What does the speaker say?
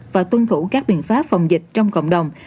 và tuân thủ các biện pháp phòng dịch trong cộng đồng